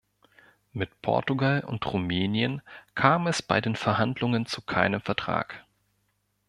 Mit Portugal und Rumänien kam es bei den Verhandlungen zu keinem Vertrag.